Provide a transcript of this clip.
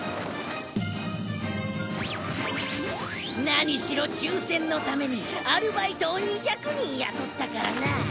何しろ抽選のためにアルバイトを２００人雇ったからな。